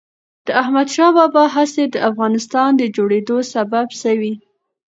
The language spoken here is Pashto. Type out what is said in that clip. د احمد شاه بابا هڅې د افغانستان د جوړېدو سبب سوي.